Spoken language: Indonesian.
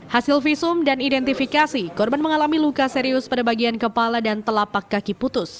hasil visum dan identifikasi korban mengalami luka serius pada bagian kepala dan telapak kaki putus